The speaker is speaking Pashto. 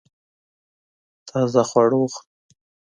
تازه خواړه وخوره